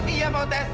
iya mau tes